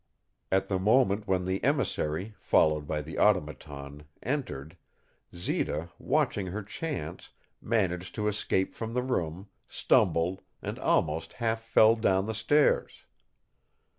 At the moment when the emissary, followed by the Automaton, entered, Zita, watching her chance, managed to escape from the room, stumbled, and almost half fell down the stairs.